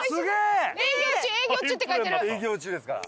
営業中ですから。